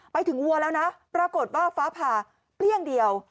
ไปถึงวัวแล้วนะปรากฏว่าฟ้าผ่าเปรี้ยงเดียว